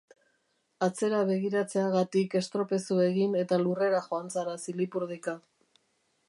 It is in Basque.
Atzera begiratzeagatik estropezu egin eta lurrera joan zara zilipurdika.